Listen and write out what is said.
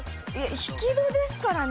引き戸ですから。